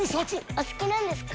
お好きなんですか？